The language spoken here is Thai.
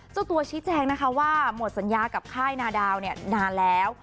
เจ้าตัวชี้แจงนะคะว่าหมดสัญญากับค่ายนาดาวนานแล้ว